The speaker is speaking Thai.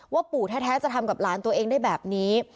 ปู่แท้จะทำกับหลานตัวเองได้แบบนี้